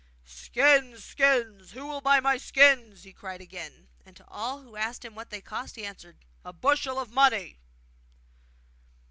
'Skins! skins! Who will buy skins?' he cried again, and to all who asked him what they cost, he answered, 'A bushel of money.